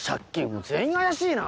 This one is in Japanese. もう全員怪しいな！